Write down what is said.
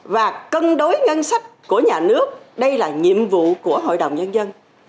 và cân đối ngân sách của nhà nước đây là nhiệm vụ của hội đồng nhân dân